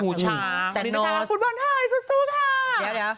คุณบอลไทยสู้ค่ะ